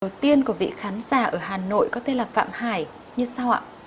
đầu tiên của vị khán giả ở hà nội có tên là phạm hải như sao ạ